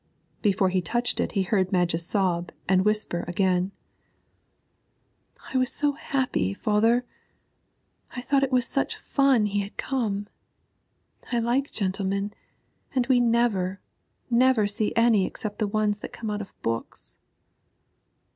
Before he touched it he heard Madge sob and whisper again: 'I was so happy, father; I thought it was such fun he had come. I like gentlemen, and we never, never see any except the ones that come out of books.'